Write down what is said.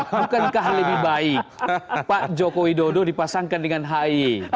bukankah lebih baik pak jokowi dodo dipasangkan dengan hie